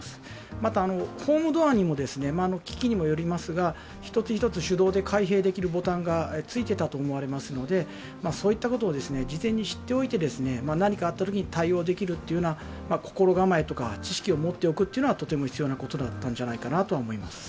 また、ホームドアにも、機器にもよりますが一つ一つ手動で開閉できるボタンがついていたと思われますのでそういったことを事前に知っておいて何かあったときに対応できるという心構えとか知識を持っておくことはとても必要じゃないかなと思います。